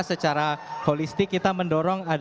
secara holistik kita mendorong